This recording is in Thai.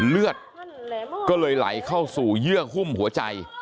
เลือดก็เลยไหลเข้าสู่เยื่อหุ้มหัวใจ